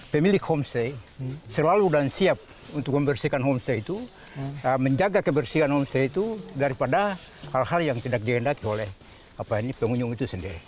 pemilik homestay selalu dan siap untuk membersihkan homestay itu menjaga kebersihan homestay itu daripada hal hal yang tidak dihendaki oleh pengunjung itu sendiri